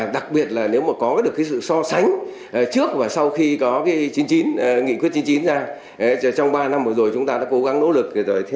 đánh trước và sau khi có nghị quyết chín mươi chín ra trong ba năm vừa rồi chúng ta đã cố gắng nỗ lực